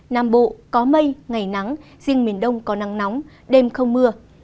nam bộ có mây ngày nắng riêng miền đông có nắng nóng đêm không mưa